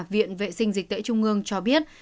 viện vệ sinh dịch tễ trung ương cho biết